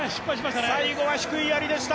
最後は低いやりでした！